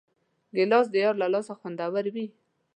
ګیلاس د یار له لاسه خوندور وي.